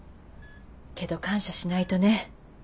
けど感謝しないとね。